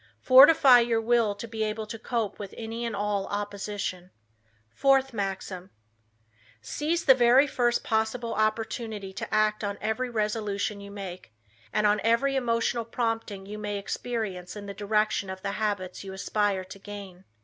Fortify your will to be able to cope with any and all opposition. Fourth Maxim: "Seize the very first possible opportunity to act on every resolution you make, and on every emotional prompting you may experience in the direction of the habits you aspire to gain."